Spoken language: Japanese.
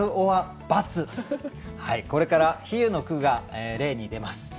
これから比喩の句が例に出ます。